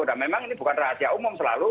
dan memang ini bukan rahasia umum selalu